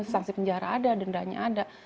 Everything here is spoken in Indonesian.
sanksi penjara ada dendanya ada